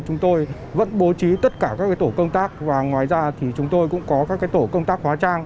chúng tôi vẫn bố trí tất cả các tổ công tác và ngoài ra thì chúng tôi cũng có các tổ công tác hóa trang